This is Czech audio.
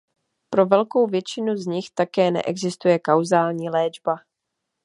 Pro velkou většinu z nich také neexistuje kauzální léčba.